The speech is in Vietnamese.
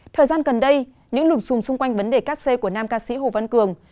thời gian gần đây những lùm xùm xung quanh vấn đề cát c của nam ca sĩ hồ văn cường